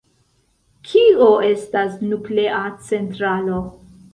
Kio estas nuklea centralo?